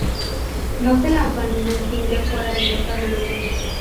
No se lanzó ningún single fuera del mercado europeo.